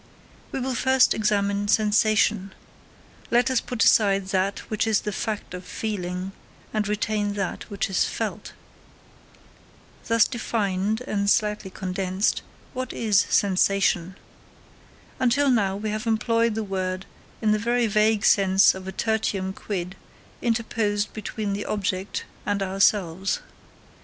We will first examine sensation: let us put aside that which is the fact of feeling, and retain that which is felt. Thus defined and slightly condensed, what is sensation? Until now we have employed the word in the very vague sense of a tertium quid interposed between the object and ourselves.